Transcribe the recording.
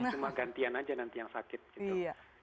cuma gantian aja nanti yang sakit gitu